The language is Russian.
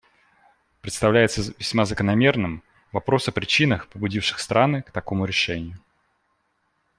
Представляется весьма закономерным вопрос о причинах, побудивших страны к такому решению.